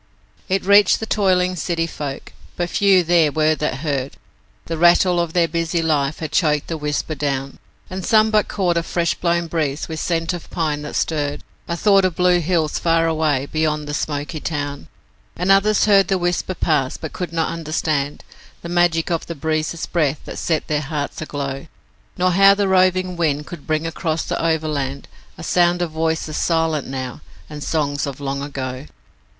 It reached the toiling city folk, but few there were that heard The rattle of their busy life had choked the whisper down; And some but caught a fresh blown breeze with scent of pine that stirred A thought of blue hills far away beyond the smoky town; And others heard the whisper pass, but could not understand The magic of the breeze's breath that set their hearts aglow, Nor how the roving wind could bring across the Overland A sound of voices silent now and songs of long ago.